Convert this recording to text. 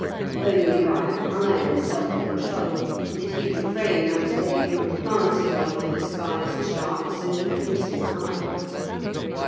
Only by an iron self control did he refrain that day from planting one of the despised shafts in the Prince's eye.